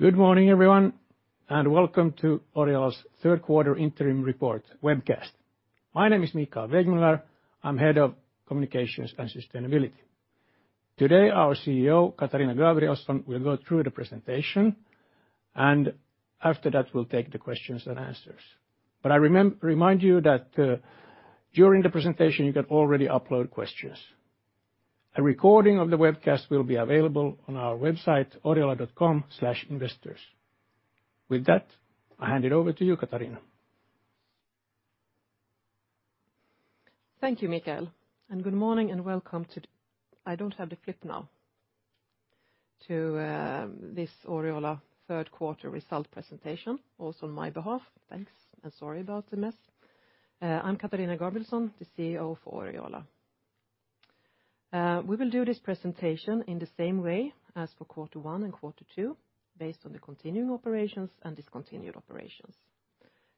Good morning, everyone, and welcome to Oriola's Third Quarter Interim Report Webcast. My name is Mikael Wegmüller. I'm Head of Communications and Sustainability. Today, our CEO, Katarina Gabrielson, will go through the presentation, and after that, we'll take the questions and answers. I remind you that, during the presentation, you can already upload questions. A recording of the webcast will be available on our website, oriola.com/investors. With that, I hand it over to you, Katarina. Thank you, Mikael, and good morning and welcome to this Oriola third quarter result presentation, also on my behalf. Thanks and sorry about the mess. I'm Katarina Gabrielson, the CEO of Oriola. We will do this presentation in the same way as for quarter one and quarter two, based on the continuing operations and discontinued operations.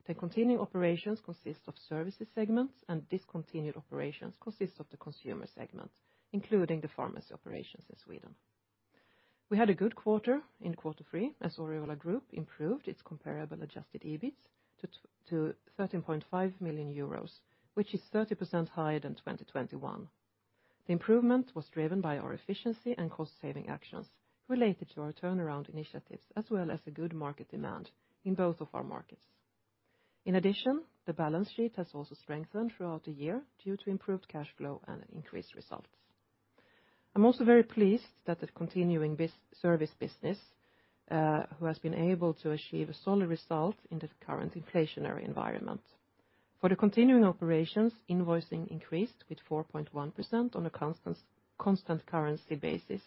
The continuing operations consist of Services segments, and discontinued operations consist of the consumer segment, including the pharmacy operations in Sweden. We had a good quarter in quarter three as Oriola Group improved its comparable adjusted EBIT to 13.5 million euros, which is 30% higher than 2021. The improvement was driven by our efficiency and cost saving actions related to our turnaround initiatives, as well as a good market demand in both of our markets. In addition, the balance sheet has also strengthened throughout the year due to improved cash flow and increased results. I'm also very pleased that the continuing services business, which has been able to achieve a solid result in the current inflationary environment. For the continuing operations, invoicing increased with 4.1% on a constant currency basis,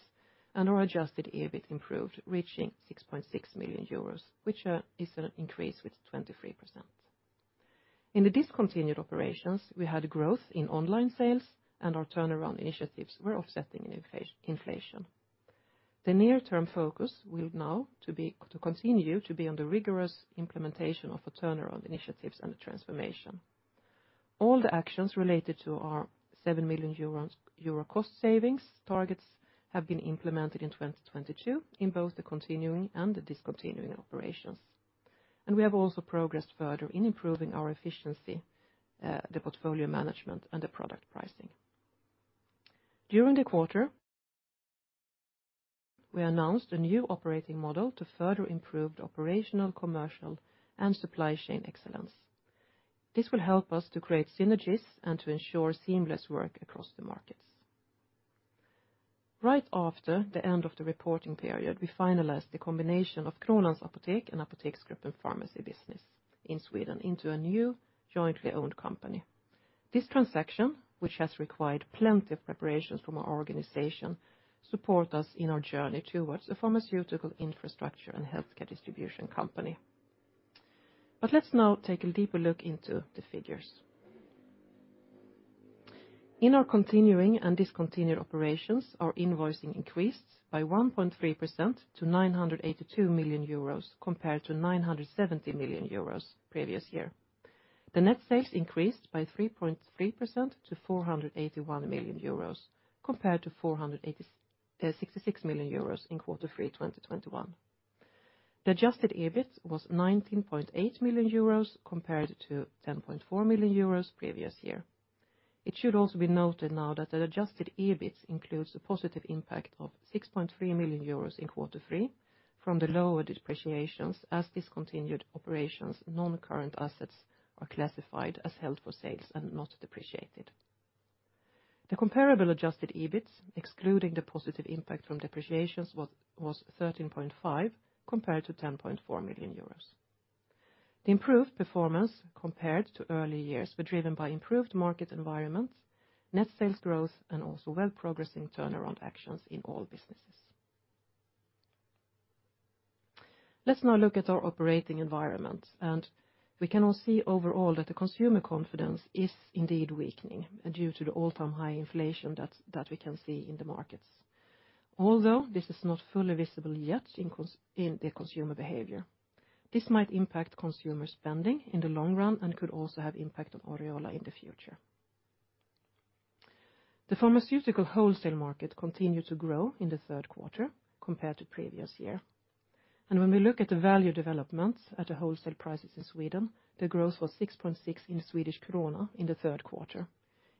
and our Adjusted EBIT improved, reaching 6.6 million euros, which is an increase with 23%. In the discontinued operations, we had growth in online sales and our turnaround initiatives were offsetting inflation. The near term focus will now continue to be on the rigorous implementation of the turnaround initiatives and the transformation. All the actions related to our 7 million euros cost savings targets have been implemented in 2022 in both the continuing and the discontinuing operations. We have also progressed further in improving our efficiency, the portfolio management and the product pricing. During the quarter, we announced a new operating model to further improve the operational, commercial and supply chain excellence. This will help us to create synergies and to ensure seamless work across the markets. Right after the end of the reporting period, we finalized the combination of Kronans Apotek and Apoteksgruppen pharmacy business in Sweden into a new jointly owned company. This transaction, which has required plenty of preparations from our organization, support us in our journey towards a pharmaceutical infrastructure and healthcare distribution company. Let's now take a deeper look into the figures. In our continuing and discontinued operations, our invoicing increased by 1.3% to 982 million euros compared to 970 million euros previous year. Net sales increased by 3.3% to 481 million euros compared to 486 million euros in quarter three, 2021. Adjusted EBIT was 19.8 million euros compared to 10.4 million euros previous year. It should also be noted now that Adjusted EBIT includes a positive impact of 6.3 million euros in quarter three from the lower depreciations as discontinued operations non-current assets are classified as held for sale and not depreciated. Comparable adjusted EBITs, excluding the positive impact from depreciations was 13.5 compared to 10.4 million euros. Improved performance compared to early years were driven by improved market environments, net sales growth and also well progressing turnaround actions in all businesses. Let's now look at our operating environment, and we can all see overall that the consumer confidence is indeed weakening due to the all-time high inflation that we can see in the markets. Although this is not fully visible yet in the consumer behavior, this might impact consumer spending in the long run and could also have impact on Oriola in the future. The pharmaceutical wholesale market continued to grow in the third quarter compared to previous year. When we look at the value developments at the wholesale prices in Sweden, the growth was 6.6 in Swedish krona in the third quarter.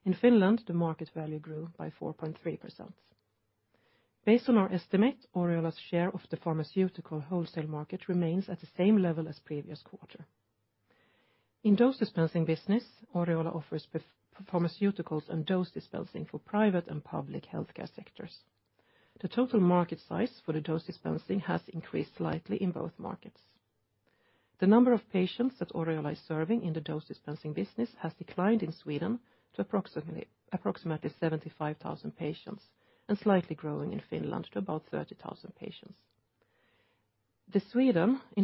In Finland, the market value grew by 4.3%. Based on our estimate, Oriola's share of the pharmaceutical wholesale market remains at the same level as previous quarter. In dose dispensing business, Oriola offers pharmaceuticals and dose dispensing for private and public healthcare sectors. The total market size for the dose dispensing has increased slightly in both markets. The number of patients that Oriola is serving in the dose dispensing business has declined in Sweden to approximately 75,000 patients and slightly growing in Finland to about 30,000 patients. In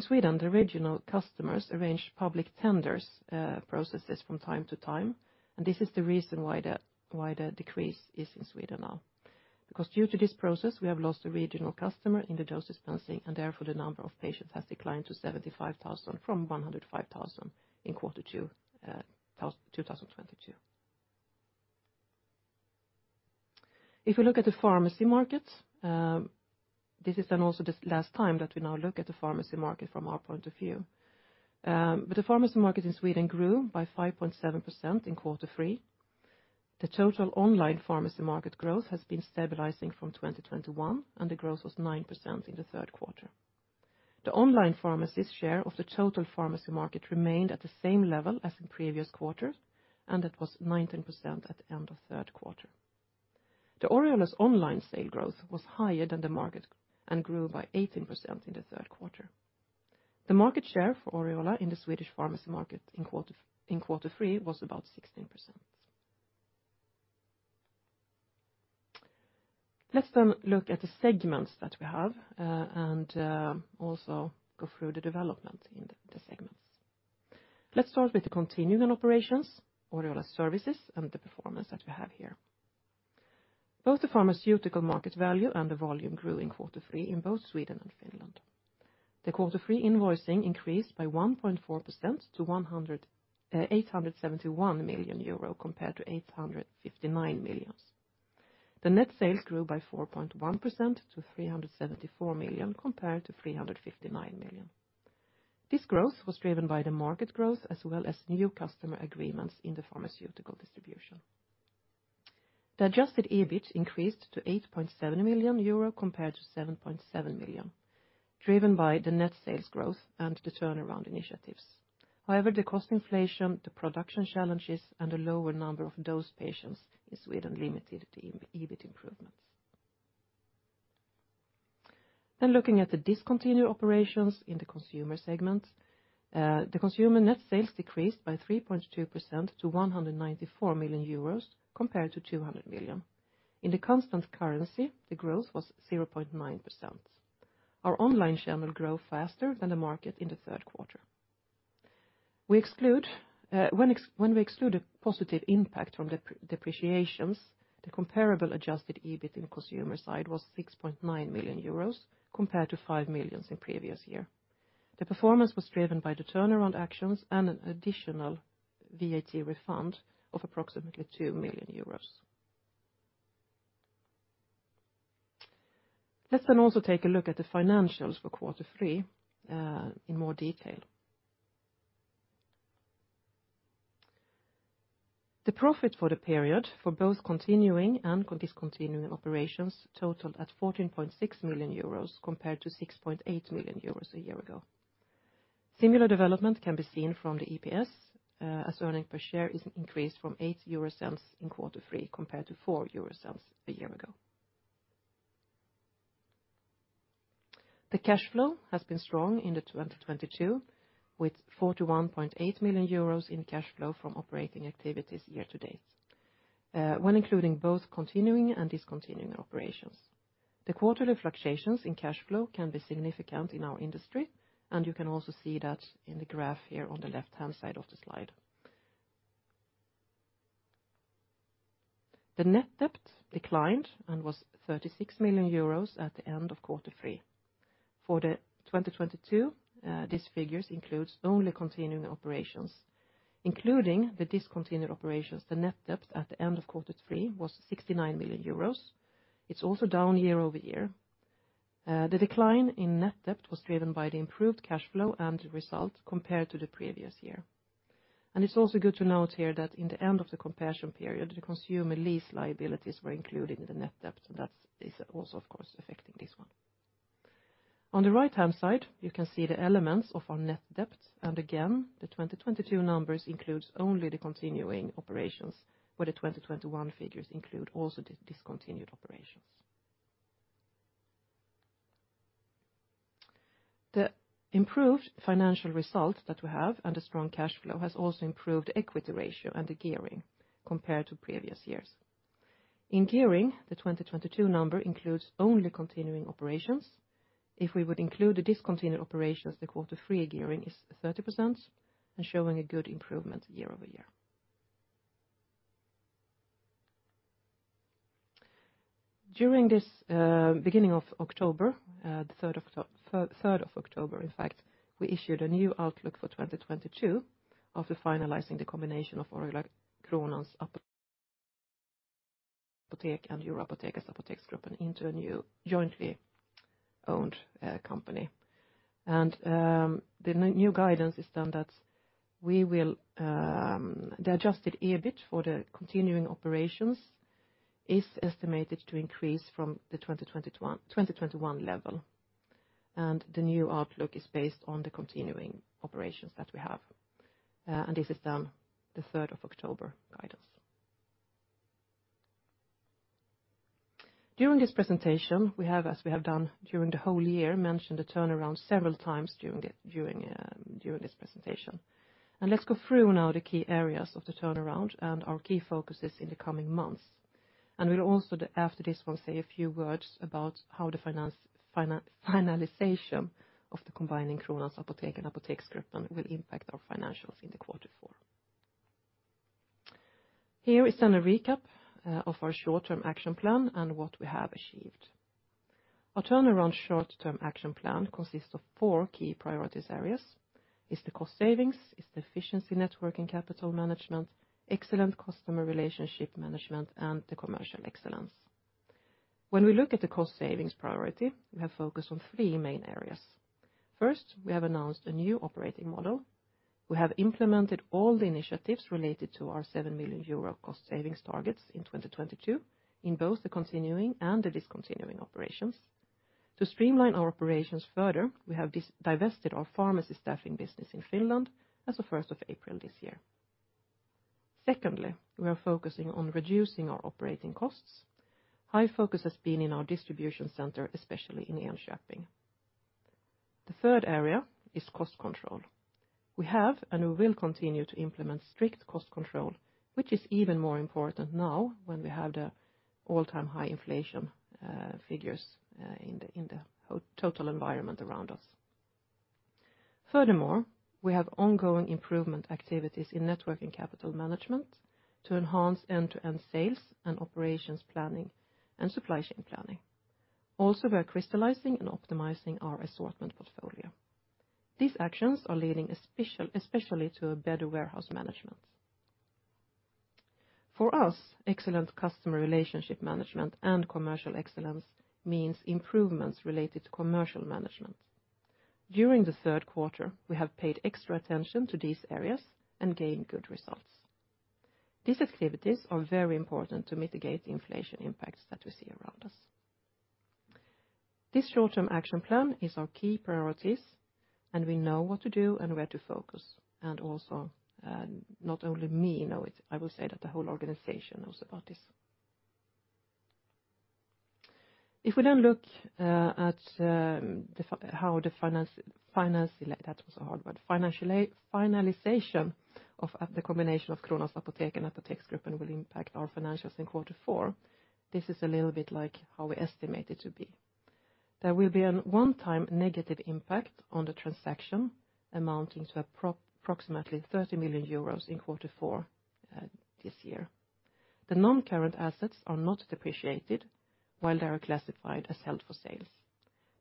Sweden, the regional customers arrange public tenders, processes from time to time, and this is the reason why the decrease is in Sweden now. Because due to this process, we have lost a regional customer in the dose dispensing, and therefore, the number of patients has declined to 75,000 from 105,000 in quarter two of 2022. If you look at the pharmacy market, this is then also this last time that we now look at the pharmacy market from our point of view. The pharmacy market in Sweden grew by 5.7% in quarter three. The total online pharmacy market growth has been stabilizing from 2021, and the growth was 9% in the third quarter. The online pharmacy's share of the total pharmacy market remained at the same level as in previous quarters, and it was 19% at the end of third quarter. Oriola's online sale growth was higher than the market and grew by 18% in the third quarter. The market share for Oriola in the Swedish pharmacy market in quarter three was about 16%. Let's look at the segments that we have and also go through the development in the segments. Let's start with the continuing operations, Oriola Services, and the performance that we have here. Both the pharmaceutical market value and the volume grew in quarter three in both Sweden and Finland. The quarter three invoicing increased by 1.4% to 871 million euro compared to 859 million. The net sales grew by 4.1% to 374 million compared to 359 million. This growth was driven by the market growth as well as new customer agreements in the pharmaceutical distribution. The Adjusted EBIT increased to 8.7 million euro compared to 7.7 million, driven by the net sales growth and the turnaround initiatives. However, the cost inflation, the production challenges, and the lower number of dose patients in Sweden limited the EBIT improvements. Looking at the discontinued operations in the consumer segment, the consumer net sales decreased by 3.2% to 194 million euros compared to 200 million. In the constant currency, the growth was 0.9%. Our online channel grew faster than the market in the third quarter. When we exclude the positive impact from depreciations, the comparable adjusted EBIT in consumer side was 6.9 million euros compared to 5 million in previous year. The performance was driven by the turnaround actions and an additional VAT refund of approximately 2 million euros. Let's then also take a look at the financials for quarter three in more detail. The profit for the period for both continuing and discontinuing operations totaled at 14.6 million euros compared to 6.8 million euros a year ago. Similar development can be seen from the EPS as earning per share is increased from 0.08 in quarter three compared to 0.04 a year ago. The cash flow has been strong in 2022, with 41.8 million euros in cash flow from operating activities year to date, when including both continuing and discontinued operations. The quarterly fluctuations in cash flow can be significant in our industry, and you can also see that in the graph here on the left-hand side of the slide. The net debt declined and was 36 million euros at the end of quarter three. For 2022, these figures includes only continuing operations, including the discontinued operations, the net debt at the end of quarter three was 69 million euros. It's also down year-over-year. The decline in net debt was driven by the improved cash flow and result compared to the previous year. It's also good to note here that in the end of the comparison period, the consumer lease liabilities were included in the net debt, and that is also, of course, affecting this one. On the right-hand side, you can see the elements of our net debt. Again, the 2022 numbers includes only the continuing operations, where the 2021 figures include also the discontinued operations. The improved financial result that we have and a strong cash flow has also improved equity ratio and the gearing compared to previous years. In gearing, the 2022 number includes only continuing operations. If we would include the discontinued operations, the quarter three gearing is 30% and showing a good improvement year-over-year. During this beginning of October, the third of October in fact, we issued a new outlook for 2022 after finalizing the combination of Oriola, Kronans Apotek and Apoteksgruppen as Apoteksgruppen into a new jointly owned company. The new guidance is that we will, the Adjusted EBIT for the continuing operations is estimated to increase from the 2021 level. The new outlook is based on the continuing operations that we have. This is the third of October guidance. During this presentation, we have, as we have done during the whole year, mentioned the turnaround several times during this presentation. Let's go through now the key areas of the turnaround and our key focuses in the coming months. We'll also, after this one, say a few words about how the finalization of the combining Kronans Apotek and Apoteksgruppen will impact our financials in quarter four. Here is then a recap of our short-term action plan and what we have achieved. Our turnaround short-term action plan consists of four key priority areas. It's the cost savings, it's the efficiency, net working capital management, excellent customer relationship management, and the commercial excellence. When we look at the cost savings priority, we have focused on three main areas. First, we have announced a new operating model. We have implemented all the initiatives related to our 7 million euro cost savings targets in 2022, in both the continuing and the discontinuing operations. To streamline our operations further, we have divested our pharmacy staffing business in Finland as of first of April this year. Secondly, we are focusing on reducing our operating costs. High focus has been in our distribution center, especially in Enköping. The third area is cost control. We have and we will continue to implement strict cost control, which is even more important now when we have the all-time high inflation figures in the total environment around us. Furthermore, we have ongoing improvement activities in network and capital management to enhance end-to-end sales and operations planning and supply chain planning. Also, we're crystallizing and optimizing our assortment portfolio. These actions are leading especially to a better warehouse management. For us, excellent customer relationship management and commercial excellence means improvements related to commercial management. During the third quarter, we have paid extra attention to these areas and gained good results. These activities are very important to mitigate the inflation impacts that we see around us. This short-term action plan is our key priorities, and we know what to do and where to focus, and also, not only I know it, I will say that the whole organization knows about this. If we look at how the financial finalization of the combination of Kronans Apotek and Apoteksgruppen will impact our financials in quarter four. This is a little bit like how we estimate it to be. There will be a one-time negative impact on the transaction amounting to approximately 30 million euros in quarter four this year. The non-current assets are not depreciated while they are classified as held for sale.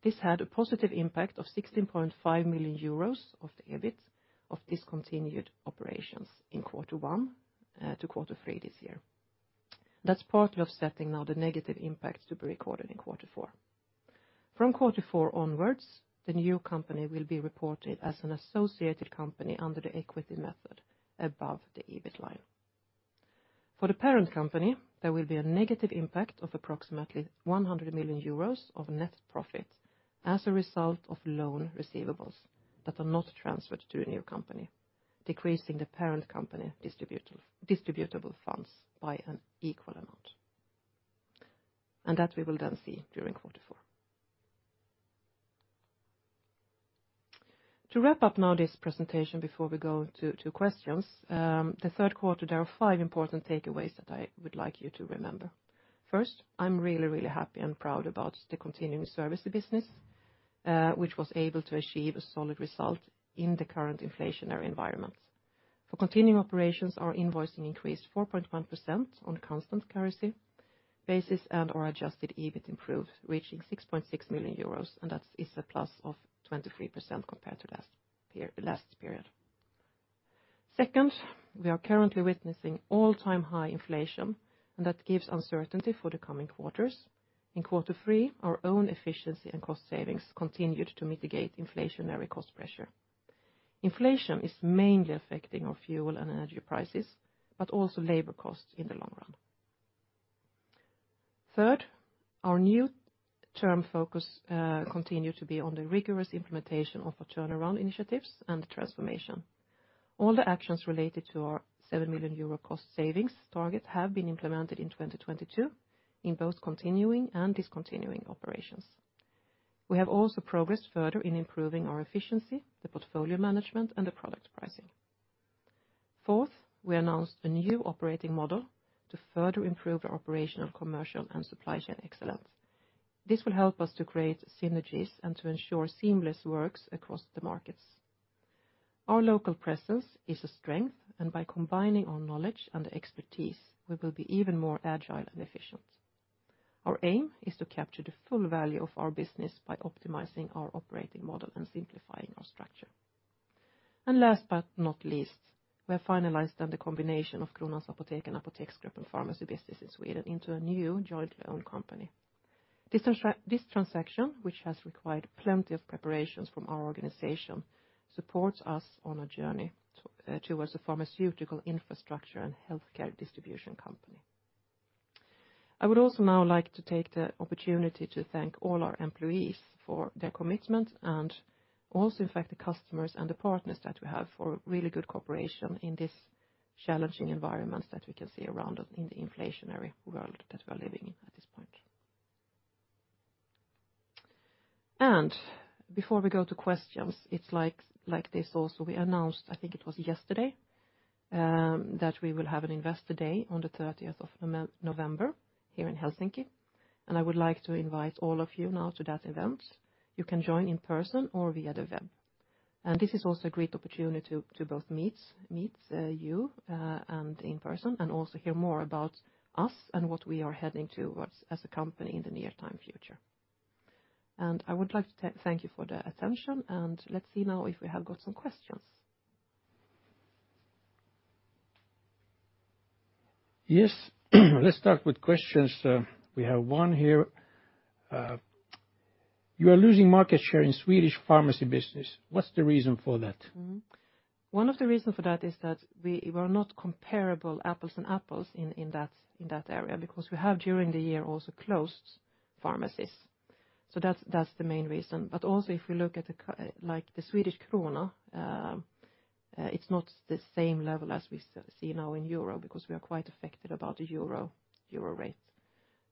This had a positive impact of 16.5 million euros on the EBIT of discontinued operations in quarter one to quarter three this year. That's partly offsetting now the negative impacts to be recorded in quarter four. From quarter four onwards, the new company will be reported as an associated company under the equity method above the EBIT line. For the parent company, there will be a negative impact of approximately 100 million euros of net profit as a result of loan receivables that are not transferred to a new company, decreasing the parent company distributable funds by an equal amount. That we will then see during quarter four. To wrap up now this presentation before we go to questions. The third quarter, there are five important takeaways that I would like you to remember. First, I'm really happy and proud about the continuing services business, which was able to achieve a solid result in the current inflationary environment. For continuing operations, our invoicing increased 4.1% on constant currency basis and our adjusted EBIT improved, reaching 6.6 million euros, and that is a +23% compared to the previous period. Second, we are currently witnessing all-time high inflation, and that gives uncertainty for the coming quarters. In quarter three, our own efficiency and cost savings continued to mitigate inflationary cost pressure. Inflation is mainly affecting our fuel and energy prices, but also labor costs in the long run. Third, our near-term focus continued to be on the rigorous implementation of our turnaround initiatives and transformation. All the actions related to our 7 million euro cost savings target have been implemented in 2022 in both continuing and discontinued operations. We have also progressed further in improving our efficiency, the portfolio management, and the product pricing. Fourth, we announced a new operating model to further improve our operational, commercial, and supply chain excellence. This will help us to create synergies and to ensure seamless works across the markets. Our local presence is a strength, and by combining our knowledge and expertise, we will be even more agile and efficient. Our aim is to capture the full value of our business by optimizing our operating model and simplifying our structure. Last but not least, we have finalized on the combination of Kronans Apotek and Apoteksgruppen pharmacy businesses Sweden into a new jointly owned company. This transaction, which has required plenty of preparations from our organization, supports us on a journey towards a pharmaceutical infrastructure and healthcare distribution company. I would also now like to take the opportunity to thank all our employees for their commitment and also, in fact, the customers and the partners that we have for really good cooperation in this challenging environment that we can see around us in the inflationary world that we are living in at this point. Before we go to questions, it's like this also, we announced, I think it was yesterday, that we will have an investor day on the thirtieth of November here in Helsinki, and I would like to invite all of you now to that event. You can join in person or via the web. This is also a great opportunity to both meet you in person, and also hear more about us and what we are heading towards as a company in the near-term future. I would like to thank you for the attention, and let's see now if we have got some questions. Yes. Let's start with questions. We have one here. You are losing market share in Swedish pharmacy business. What's the reason for that? One of the reasons for that is that we were not comparable apples-to-apples in that area, because we have during the year also closed pharmacies. That's the main reason. Also if we look at like the Swedish krona, it's not the same level as we see now in euro because we are quite affected about the euro rate.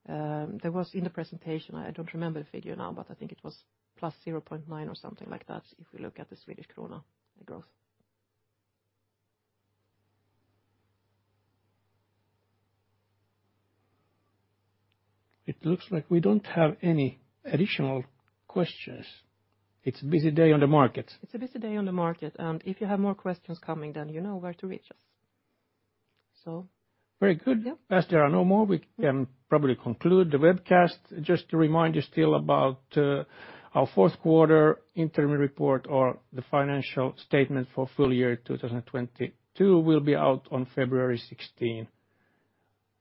There was in the presentation, I don't remember the figure now, but I think it was +0.9% or something like that, if we look at the Swedish krona growth. It looks like we don't have any additional questions. It's a busy day on the market. It's a busy day on the market. If you have more questions coming, then you know where to reach us. Very good. Yeah. As there are no more, we can probably conclude the webcast. Just to remind you still about our fourth quarter interim report or the financial statement for full year 2022 will be out on February 16.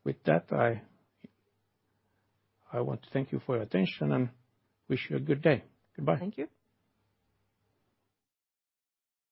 With that, I want to thank you for your attention and wish you a good day. Goodbye. Thank you.